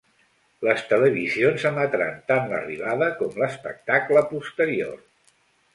Les televisions emetran tant l’arribada com l’espectacle posterior.